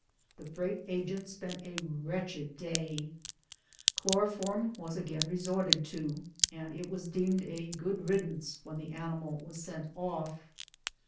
The freight agent spent a wretched day ! Chloroform was again resorted to, and it was deemed a good riddance when the animal was sent off.